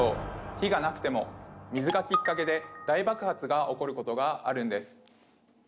火がなくても水がきっかけで大爆発が起こることがあるんです！